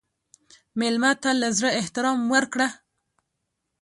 مېلمه ته له زړه احترام ورکړه.